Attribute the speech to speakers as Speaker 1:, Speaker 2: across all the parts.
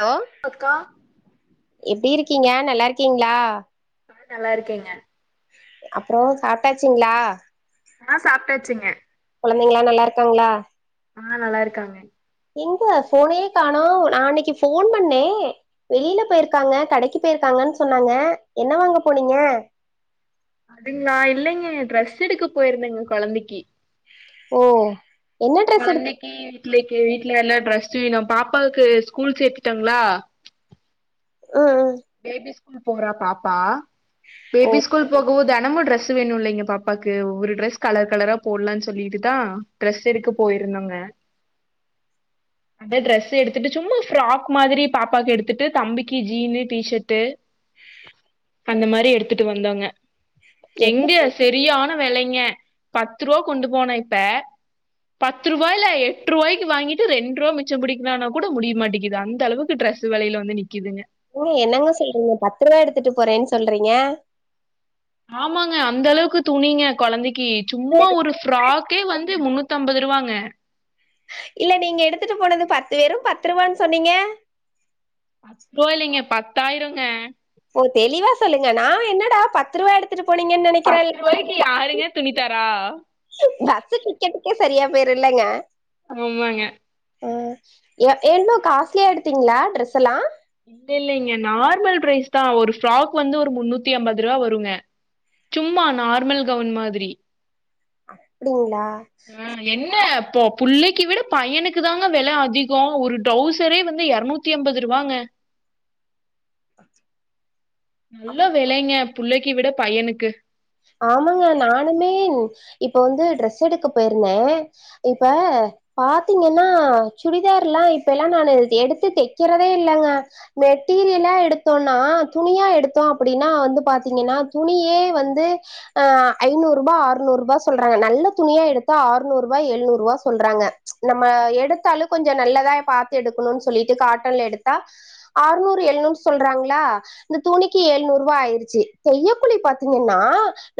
Speaker 1: Hello
Speaker 2: அக்கா
Speaker 1: எப்டி இருக்கீங்க நல்லாருக்கீங்ளா
Speaker 2: ஆ நல்லா இருக்கேங்க
Speaker 1: அப்றோ சாப்டாச்சிங்ளா
Speaker 2: ஆ சாப்டாச்சுங்க
Speaker 1: கொழந்தைங்ளா நல்லா இருக்காங்ளா
Speaker 2: ஆ நல்லா இருக்காங்க
Speaker 1: எங்க ஃபோனே காணோ நா அன்னைக்கி ஃபோன் பண்ணே வெளில போய்ருக்காங்க கடைக்கி போயிருக்காங்கன்னு சொன்னாங்க என்ன வாங்க போனீங்க
Speaker 2: அதுங்ளா இல்லைங்க ட்ரெஸ் எடுக்க போயிருந்தேங்க கொழந்தைக்கி
Speaker 1: ஓ என்ன ட்ரெஸ் எடுத்
Speaker 2: அன்னைக்கி வீட்லைக்கி வீட்ல எல்லா ட்ரெஸ்சு வேனு பாப்பாவுக்கு ஸ்கூல் சேத்துடங்களா
Speaker 1: ம் ம்
Speaker 2: பேபி ஸ்கூல் போற பாப்பா
Speaker 1: ம் ஓ
Speaker 2: பேபி ஸ்கூல் போகவுத் தெனமு ட்ரெஸ் வேணு இல்லைங்க பாப்பாக்கு ஒரு டிரெஸ் கலர் கலரா போலானு சொல்லிட்டுதா டிரெஸ் எடுக்க போயிருந்தோங்க அத டிரெஸ் எடுத்துட்டு சும்மா ஃப்ராக் மாரி பாப்பாவுக்கு எடுத்துட்டு தம்பிக்கி ஜீனு டி ஷட்டு அந்த மாரி எடுத்துட்டு வந்தோங்க
Speaker 1: என்ன
Speaker 2: எங்க செரியான வெலைங்க பத்ருவா கொண்டு போன இப்ப பத்து ரூபாய்ல எட்டு ரூவாய்க்கு வாங்கிட்டு ரெண்டு ரூவா மிச்சோ புடிக்கலானா கூட முடிய மாட்டிங்குது அந்த அளவுக்கு ட்ரெஸ் சு வெலையில வந்து நிக்குதுங்க
Speaker 1: ம் என்னங்க சொல்றீங்க பத்து ரூவா எடுத்துட்டு போறேன்னு சொல்றீங்க
Speaker 2: ஆமாங்க அந்த அளவுக்கு துணிங்க கொழந்தைக்கி சும்மா ஒரு ஃபிரக்கே வந்து முன்னுத் தம்பது ரூவாங்க
Speaker 1: இல்ல நீங்க எடுத்துட்டு போனது பத்து வே வெரு பத்து ரூவான்னு சொன்னீங்க
Speaker 2: பத்துருவ இல்லைங்க பத்தாயிரங்க
Speaker 1: ஓ தெளிவா சொல்லுங்க நா என்னடா பத்து ரூவா எடுத் துட்டு போனீங்கன்னு
Speaker 2: பத்து
Speaker 1: நெனைக்கிறல்ல
Speaker 2: ரூவாய்க்கு யாருங்க துணி தரா
Speaker 1: பஸ்சு டிக்கெட்டுக்கே செரியா போயிரு இல்லங்க
Speaker 2: ஆமாங்க
Speaker 1: ஆ எ என்னு காஸ்லியா எடுத்தீங்ளா டிரெஸ்ல்லா
Speaker 2: இல்ல இல்லலைங்க நார்மல் பிரைஸ் தா ஒரு ஃபிராக் வந்து ஒரு முன்னுத்தி ஐம்பது ரூவா வருங்க சும்மா நார்மல் கவுன் மாதிரி
Speaker 1: அப்டிங்ளா
Speaker 2: ஆ என்ன போப் புள்ளைக்கி விட பையனுக்கு தாங்க வெல அதிகோ ஒரு ட்ரௌசரே வந்து இரனூத் தி ஐம்பது ரூவாங்க
Speaker 1: அஹ்
Speaker 2: நல்ல வெலைங்க புள்ளைக்கி விட பையனுக்கு
Speaker 1: ஆமாங்க நானுமே இப்ப வந்து ட்ரெஸ் எடுக்க போயிருந்தே இப்ப பாத்தீங்கன்னா சுடிதார்ல இப்ப எல்லா நானு எடுத்து தெக்கிறதே இல்லங்க மெட்டீரியலா எடுத்தோனா துணியா எடுத்தோ அப்டின்னா வந்து பாத்தீங்கன்னா துணியே வந்து ஆ ஐநூறுபா அறுநூறுபா சொல்றாங்க நல்ல துணியா எடுத்தா அறுநூறுபா எழுநூறுவா சொல்றாங்க நம்ம எடுத்தாலு கொஞ்சோ நல்லதா பாத்து எடுக்கணுன்னு சொல்லிட்டு காட்டன்ல எடுத்தா அறுநூறு எழுநூறு சொல்றாங்ளா இந்த துணிக்கு எழுநூறுவா ஆயிருச்சு தெய்யகூலி பாத்தீங்கன்னா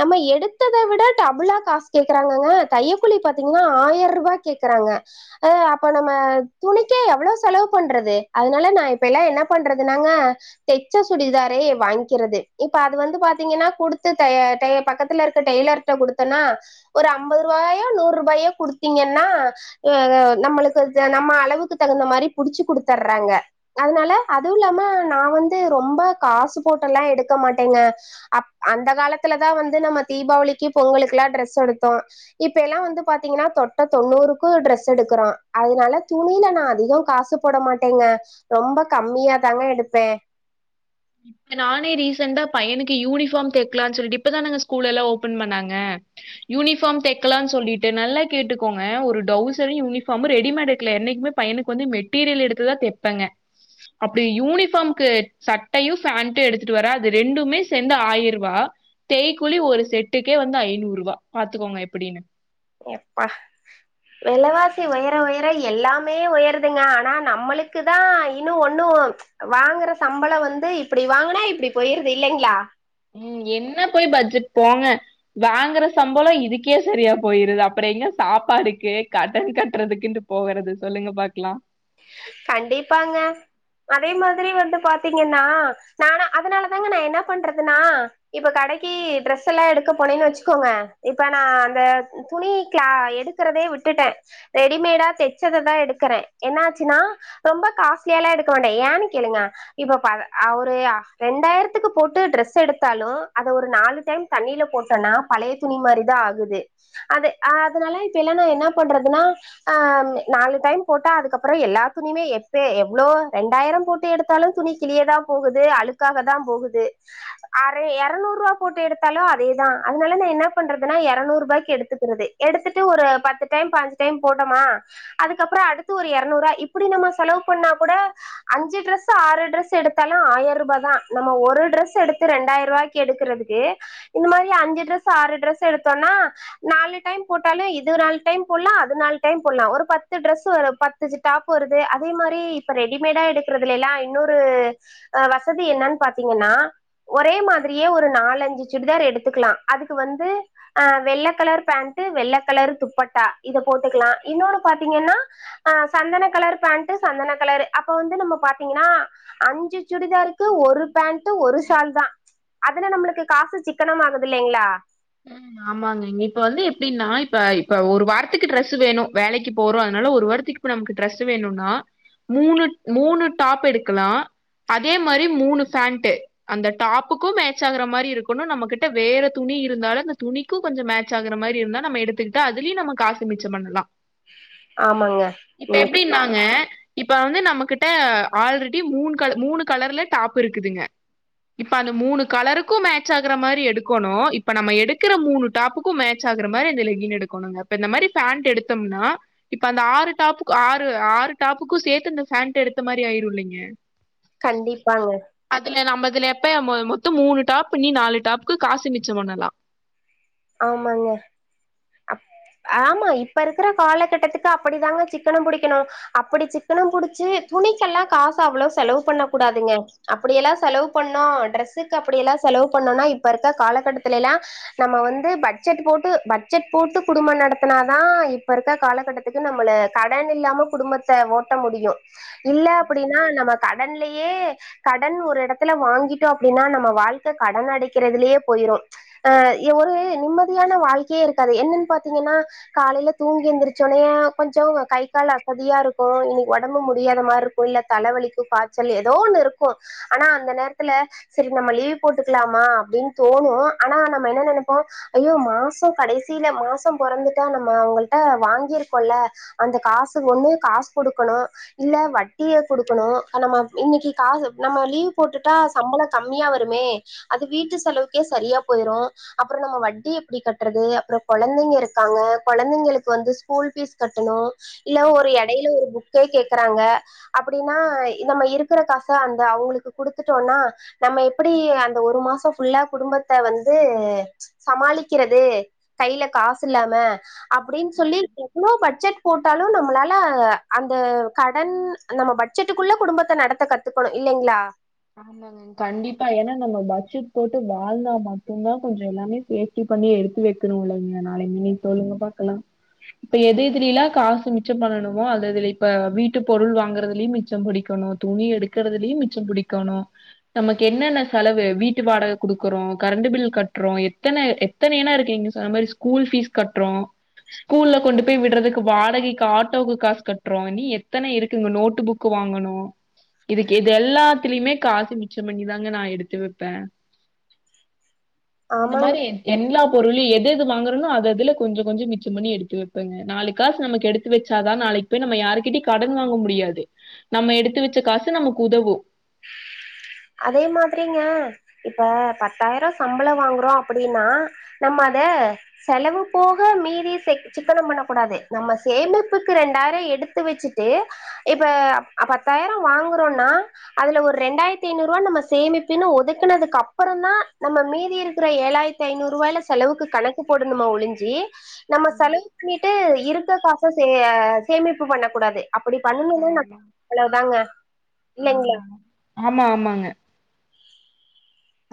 Speaker 1: நம்ம எடுத்தத விட டபுளா காசு கேக்குறாங்கங்க தையகூலி பாத்தீங்கன்னா ஆயிர ரூபா கேக்குறாங்க அ அப்ப நம்ம துணிக்கே எவ்ளோ செலவு பண்றது அதனால நா இப்ப எல்லா என்ன பண்றதுனாங்க தெச்ச சுடிதாரே வாங்கிறது இப்ப அது வந்து பாத்தீங்கன்னா குடுத்து த தய பக்கத்துல இருக்கற டெய்லர்கிட்ட குடுத்தன்னா ஒரு அம்பது ரூபாயோ நூறு ரூபாயோ குடுத்தீங்கன்னா அ நம்மளுக்கு நம்ம அளவுக்கு தகுந்த மாரி புடிச்சு குடுத்தர்றாங்க அதனால அதுவு இல்லாம நா வந்து ரொம்ப காசு போட்டெல்லா எடுக்க மாட்டேங்க அப் அந்த காலத்துலதா வந்து நம்ம தீபாவளிக்கு பொங்கலுகெல்லா ட்ரெஸ் எடுத்தோ இப்ப எல்லா வந்து பாத்திங்கன்னா தொட்ட தொண்ணூறுக்கு ட்ரெஸ் எடுக்குறோ அதனால துணில நா அதிகோ காசு போட மாட்டேங்க ரொம்ப கம்மியாதாங்க எடுப்ப
Speaker 2: நானே ரீசெண்டா பையனுக்கு யூனிஃபார்ம் தெக்லானு சொல்ட்டு இப்பதானங்க ஸ்கூல் எல்லா ஓப்பன் பண்ணாங்க யூனிஃபார்ம் தெக்லான் சொல்லிட்டு நல்லா கேட்டுகோங்க ஒரு டவுசரு யூன்ஃபார்ம் ரெடிமேடு எக்ல என்னைக்குமே பையனு க்கு வந்து மெட்டீரியல் எடுத்துதா தெப்பங்க அப்டி யூனிஃபார்ம்க்கு ச ட்டயு ஃபேண்ட் எடுத்துட்டு வர அது ரெண்டுமே சேந்து ஆயர் ருவா தெய்கூலி ஒரு செட்டுக்கே வந்து ஐநூறு ரூவா பாத்துகோங்க எப்டின்னு
Speaker 1: எப்பா வெலவாசி ஒயர ஒயர எல்லாமே ஒயருதுங்க ஆனா நம்மளுக்கு தா இன்னு ஒண்ணு வாங்கற சம்பளோ வந்து இப்டி வாங்குனா இப்டி போய்ருது இல்லைங்ளா
Speaker 2: ம் என்ன போய் பட்ஜெட் போங்க வாங்கற சம்பளோ இதுக்கே சரியா போயிருது அப்றோ எங்க சாப்பாடுக்கு கடன் கட்டறதுக்குன்ட்டு போகறது சொல்லுங்க பாக்லா
Speaker 1: கண்டிப்பாங்க அதே மாதிரி வந்து பாத்திங்கன்னா நா அதனால தாங்க நா என்ன பண்றதுனா இப்ப கடைக்கு ட்ரெஸ்ஸெல்லா எடுக்க போனேன்னு வெச்சுக்கோங்க இப்ப நா அந்த துணி க்ளா எடுக்கறதே விட்டுட்ட ரெடிமேடா தெச்சததா எடுக்கற என்ன ஆச்சுனா ரொம்ப காஸ்ட்லியா எல்லா எடுக்க வேண்டா ஏனு கேளுங்க இப்ப பா அ ஒரு ரெண்டாயிரத்துக்கு போட்டு ட்ரெஸ் எடுத்தாலு அத ஒரு நாலு டைம் தண்ணில போட்டனா பழைய துணி மாரிதா ஆகுது அது அதனால இப்பெல்லா நா என்ன பண்றதுனா ஆ நாலு டைம் போட்டா அதுக்கப்றோ எல்லா துணிமே எப்பே எவ்ளோ ரெண்டாயிரோ போட்டு எடுத்தாலு துணி கிளியதா போகுது அழுக்காகதா போகுது அர எரநூறு ரூவா போட்டு எடுத்தாலு அதேதா அதனால நா என்ன பண்றதுனா எரநூறூ ரூபாய்க்கு எடுத்துக்கறது எடுத்துட்டு ஒரு பத்து டைம் பாஞ்சு டைம் போட்டமா அதுக்கப்றோ அடுத்து ஒரு எர நூறு ரூவா அப்டி நாம செலவு பண்ணா கூட அஞ்சு டெரஸ் ஆறு டெரஸ் எடுத்தாலு ஆயிரரூபாதா நம்ம ஒரு டெரஸ் எடுத்து ரெண்டாயி ரூவாய்க் க்கு எடுக்கறதுக்கு இந்த மாரி அஞ்சு டெரெஸ் ஆறு டெரெஸ் எடுத்தோனா நாலு டைம் போட்டாலு இது நால் டைம் போடுலா அது நால் டைம் போடுலா ஒரு பத்து ட்ரெஸ் வரு பத்துஞ்சு டாப் பு வருது அதே மாரி இப்ப ரெடிமேடா எடுக்கறதுல எல்லா இன்னொரு அ வசதி என்னான் பாத்திங்கன்னா ஒரே மாதிரியே ஒரு நாலஞ்சு சுடிதார் எடுத்துக்கலா அதுக்கு வந்து அ வெள்ள கலர் பேண்ட் வெள்ள கலர் துப்பட்டா இத போட்டுக்கலா இன்னொனு பாத்திங்கன்னா அ சந்தன கலர் பேண்ட் சந்தன கலர் அப்ப வந்து நம்ம பாத்திங்கன்னா அஞ்சு சுடிதாருக்கு ஒரு பேண்ட் ஒரு ஷால்தா அதுல நம்மளுக்கு காசு சிக்கனம்மாகுது இல்லைங்ளா
Speaker 2: ம் ஆமாங்க இப்ப வந்து எப்டின்னா இப்ப இப்ப ஒரு வாரத்துக்கு ட்ரெஸ்ஸு வேணு வேலைக்கு போறோ அதனால ஒரு வாரத்திக் இப்ப நம்க்கு ட்ரஸ் வேணுனா மூணு மூணு டாப் எடுக்லா அதே மாரி மூணு ஃபேண்ட்டு அந்த டாப்புக்கு மேட்ச் ஆகுற மாரி இருக்கணு நம்ம கிட்ட வேற துணி இருந்தாலு இந்த துணிக்கு கொஞ்ஜோ மேச் ஆகுற மாரி இருந்தா நம்ம எடுத்துக்கிட்ட அதுலயு நம்ம காசு மிச்சோ பண்லா
Speaker 1: ஆமாங்க நீங்க
Speaker 2: ங்க இப்ப வந்து நம்மகிட்ட ஆல்ரெடி மூணு கல மூணு கலர்ல டாப் இருக்குதுங்க இப்ப அந்த மூணு கலருக்கு மேட்ச் ஆகுற மாதிரி எடுக்கணு இ இப்ப நம்ம எடுக்குற மூணு டாப்புக்கு‌ மேட்ச் ஆகுற மாரி அந்த லெக்கின் எடுக்கணுங்க இப்ப இந்த மாரி பேண்ட் எடுத்தம்னா இப்ப அந்த ஆறு டாப்புக்கு ஆறு ஆறு டாப்புக்கு சேத்து இந்த ஃபேண்ட் எடுத்த மாரி ஆயிருல்லய்ங்க
Speaker 1: கண்டிப்பாங்க
Speaker 2: அதுல நம்ம இதுல எப்ப மொ மொத்தோ மூணு டாப்பு நீ நாலு டாப்புக்கு காசு மிச்சோ பண்ணலா
Speaker 1: ஆமாங்க அப் ஆமா இப்ப இருக்குற காலகட்டத்துக்கு அப்படி தாங்க சிக்கனோ பிடிக்கணு அப்டி சிக்கனோ புடிச்சு துணிக்கெல்லா காசு அவ்ளோ செலவு பண்ண கூடாதுங்க அப்டியெல்லா செலவு பண்ணோ ட்ரெஸுக்கு அப்டியெல்லா செலவு பண்ணோனா இப்ப இருக்ற காலகட்டத்லில்லா நம்ம வந்து பட்ஜெட்டு போட்டு பட் ஜெட் போட்டு குடும்போ நடத்துனா தா இப்ப இருக்க காலகட்டத்துக்கு நம்மள கடன் இல்லாம குடும்ப த்த ஓட்ட முடியு இல்ல அப்டின்னா நம்ம கடன்லயே கடன் ஒரு எடத்துல வாங்கிட்டோ அப்டின்னா நம்ம வாழ்க்க கடன் அடைக்கிறதுலயே போயிரு அ யஒரு நிம்மதியான வாழ்க்கயே இருக்காது என்னன்னு பாத்தீங்கன்னா காலைல தூங்கி எந்திரிச்சோனயு கொஞ்சோ கை கால் அசதியாருக்கு இன்னக்கி ஒடம்பு முடியாத மார் க்கு இல்ல தலைவலிக்கு காய்ச்சல் ஏதோ ஒண்ணு இருக்கு ஆனா அந்த நேரத்துல செரி நம்ம லீவு போட்டுக்லாமா அப்டின்னு தோணு ஆனா நம்ம என்ன நெனப்போ ஐயோ மாசோ கடைசில மாசோ பொறந்துட்டா நம்ம அவுங்கள்ட்ட வாங்கியிருக்கோல்ல அந்த காசுக்கு ஒண்ணு காசு குடுக்கணு இல்ல வட்டிய குடுக்கணு நம்ம இன்னக்கி காசு நம்ம லீவ் போட்டுட்டா சம்பள கம்மியா வருமே அது வீட்டு செலவுக்கே சரியா போயிரு அப்றோ நம்ம வட்டி எப்டி க ட்றது அப்றோ கொழந்தைங்க இருக்காங்க கொழந்தைங்களுக்கு வந்து ஸ்கூல் ஃபீஸ் கட்டணு இல்ல ஒரு எடைல ஒரு புக்கே கேக்கறாங்க அப்டின்னா நம்ம இருக்குற காச அந்த அவுங்களுக்கு குடுத்துட்டோனா நம்ம எப்டி அந்த ஒரு மாசோ ஃபுல்லா குடும்பத்த வந்து சமாளிக்கிற து கைல காசு இல்லாம அப்டின் சொல்லி எவ்ளோ பட்ஜெட் போட்டாலு நம்மளால அந்த கடன் நம்ம பட்ஜெட்டுக்குள்ள குடும்பத்த நடத்த கத் த்துக்கணு இல்லைங்ளா
Speaker 2: ஆமாங்க கண்டிப்பா ஏன்னா நம்ம பட்ஜெட் போட்டு வாழ்ந்தா மட்டுதா கொஞ்சோ எல்லாமே சே ரெடி பண்ணி எடுத்து வைக்கணுலங்க நாளைக்கு நீங்க சொல்லுங்க பாக்கலா இப்ப எது எ த்துலிலா காசு மிச்சோ பண்ணணுமோ அது அதுல இப்ப வீட்டு பொருள் வாங்குறதுலயு மிச்சோ புடிக்கணு துணி எடு க்றதுலயு மிச்சோ புடிக்கணு நமக்கு என்னென்ன செலவு வீட்டு வாடக குடுக்குறோ கரண்டு பில் கட்றோ எத்தன எ த்தனயனா இருக்கு நீங்க சொன்ன மாரி ஸ்கூல் ஃபீஸ் கட்றோ ஸ்கூல்ல கொண்டு போய் விட்றதுக்கு வாடகைக்கு ஆட்டோக்கு காசு கட்றோ இன்னு எத்தன இருக்குங்க நோட்டு புக் துக்கு வாங்கணு இதுக்கு இது எல்லா த்திலிமே காசு மிச்சோ பண்ணி தாங்க நா எடுத்து வெப்பே இந்த
Speaker 1: ஆமாங்க
Speaker 2: மாரி எல்லா பொருளியு எது எது வாங்குறனோ அதுதுல கொஞ்சோ கொஞ்சோ மிச்சோ பண்ணி எடுத்து வெப்பேங்க நாளு காசு நமக்கு எடுத் து வச்சாதா நாளைக்கு போய் நம்ம யாருக்கிட்டயு கடன் வாங்க முடியாது நம்ம எடுத்து வச்ச காசு நமக்கு உதவு
Speaker 1: அதே மாதிரிங்க இப்ப பத்தாயிரோ சம்பளோ வாங்குறோ அப்டின்னா நம்ம அத செலவு போக மீதி செக் சிக்கனோ பண்ணக் கூடாது நம்ம சேமிப்புக்கு ரெண்டாயிரோ எடுத் து வச்சுட்டு இப்ப அப் பத்தாயிரோ வாங்குறோனா அதுல ஒரு ரெண்டாயித் த்தி நூறுவா நம்ம சேமிப்புனு ஒதுக்குனதுக்கு அப்பறோ தா நம்ம மீதி இருக்குற ஏழாயித் தைநூறுவாய்ல செலவுக்கு கணக்கு போடணும ஒழிஞ்சி நம்ம செலவு பண்ணிட்டு இருக்க காச சேய சேமிப்பு பண்ண கூடாது அப்படி பண்ணுணோன்னா நக்
Speaker 2: ஆமா ஆமா
Speaker 1: அவ்ளோதாங்க இல்லைங்களா
Speaker 2: ஆமா ஆமா ஆமாங்க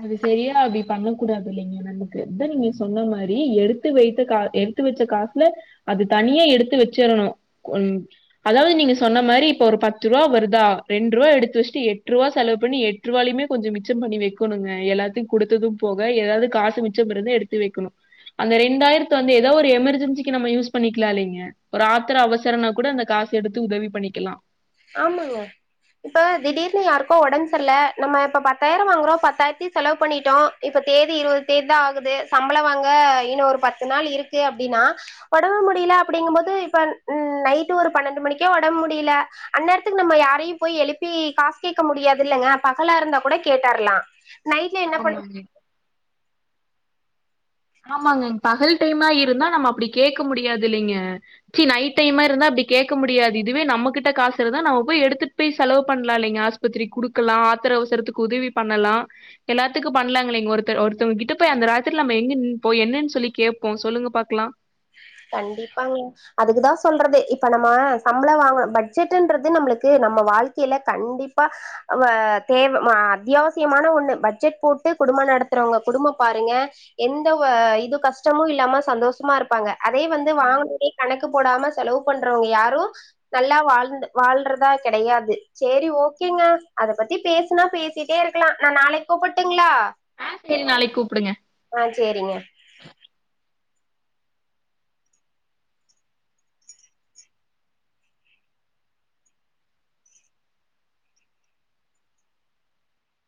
Speaker 2: அது சரியா அப்டி பண்ணக்கூடாது இல்லைங்க நமக்கு இத நீங்க சொன்ன மாரி எடுத்து வைத்த கா எடுத் த்து வச்ச காசுல அது தனியே எடுத்து வச்சிரணு கொஞ் அதாவது நீங்க சொன்ன மாரி இப்ப ஒரு பத்து ரூபா வருதா ரெண்ரூவா எடுத்து வச்சிட்டு எட்ரூவா செலவு பண்ணி எட் ட்ரூவாலிமே கொஞ்ச மிச்சம் பண்ணி வைக் க்கணுங்க எல்லாத்தையு குடுத்ததும் போக ஏதாவது காசு மிச்சம் இருந்த எடுத்து வைக்கணு அந்த ரெண்டாயிரத்த வந்து ஏதோ ஒரு எமர்ஜென்சிக்கு நம்ம யூஸ் பண்ணிக்கலா இல்லைங்க ஒரு ஆத்திர அவசரனா கூட அந்த காசு எடுத்து உதவி பண்ணிக்கலா
Speaker 1: ஆமாங்க இப்போ திடீர்னு யார்க்கோ ஒடம்செர்ல்ல நம்ம இப்ப பத்தாயிரோ வாங்குறோ பத்தாயிரத்தையு செலவு பண்ணிட்டோ இப்ப தேதி இருவது தேதி தா ஆகுது சம்பளோ வாங்க இன்னு ஒரு பத்து நாள் இருக்கு அப்டினா ஒடம்பு முடில அப்டிங்க போது இப்ப ம் நைட்டு ஒரு பன்னெண்டு மணிக்கே ஒடம் முடியில அந்நேரத்துக்கு நம்ம யாரையு போய் எழுப்பி காசு கேக்க முடியாதுல்லங்க பகலாருந்தா கூட கேட்டர்லா நைட்ல என்னா பண் [inaudible]
Speaker 2: ஆமாங்க. ஆமாங்கங் பகல் டைமா இருந்தா நம்ம அப்டி கேக்க முடியாதில்லைங்க சி நைட் டைமா இருந்தா அப்டி கேக்க முடியாது இதுவே நம்மகிட்ட காசு இருந்தா நம்ம போய் எடுத்துட் போய் செலவு பண்ணலா இல்லைங்க ஆஸ்ப் பத்திரிக் குடுக்கலா ஆத்திர அவசரத்துக்கு உதவி பண்ணலா எல்லாத்துக்கு பண்ணலாங்கில்லைங் ஒருத்தர் ஒருத்தவங்கிட்ட போயி அந்த ராத்திரில நம்ப எங்க நின் இப்போ என்னன்னு சொல்லி கேப்போ சொல்லுங்க பாக்கலா
Speaker 1: கண்டிப்பாங்க அதுக்குதா சொல்றது இப்ப நம்ம சம்ளோ வாங்கரோ பட்ஜெட்டுன்றது நம்பளுக்கு நம்ம வாழ்க்கையில கண்டிப்பா அவ தேவ மா அத்தியாவசியமான ஒண்ணு பட்ஜெட் போட்டு குடும நடத்துறவங்க குடும பாருங்க எந்த வ இது கஷ்டமு இல்லாம சந்தோஷமா இருப்பாங்க அதே வந்து
Speaker 2: ஆமா.
Speaker 1: வாங்கனோன்னே கணக்கு போடாம செலவு பண்றவங்க யாரு நல்லா வாழ்ந்த வாழ்றதா கெடையாது செரி ஓகேங்க அத பத்தி பேசுனா பேஸ் சிட்டே இருக்கலா நா நாளைக்கு கூப்பிட்டுங்ளா
Speaker 2: செரி நாளைக்கு கூப்புடுங்க
Speaker 1: ஆ செரிங்க